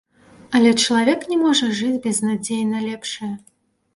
Але чалавек не можа жыць без надзеі на лепшае.